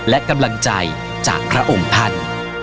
และกำลังใจจากพระองค์ท่าน